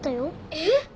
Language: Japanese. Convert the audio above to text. えっ？